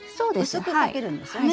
薄くかけるんですよね。